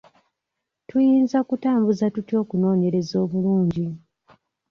Tuyinza kutambuza tutya okunoonyereza obulungi?